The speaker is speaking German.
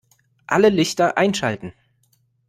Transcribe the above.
Alle Lichter einschalten